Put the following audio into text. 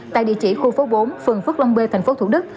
tại địa chỉ khu phố bốn phường phước long b tp thủ đức